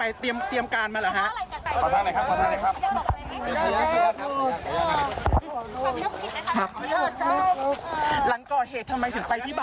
รักคุณเมียมากไหมพี่ต้น